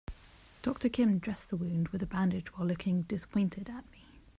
Doctor Kim dressed the wound with a bandage while looking disappointed at me.